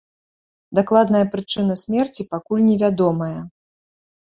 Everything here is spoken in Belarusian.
Дакладная прычына смерці пакуль невядомая.